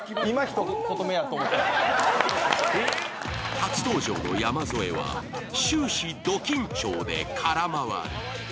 初登場の山添は終始ド緊張で空回り。